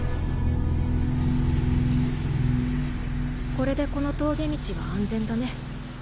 これでこの峠道は安全だね。